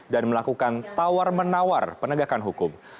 dan melakukan tawar menawar penegakan hukum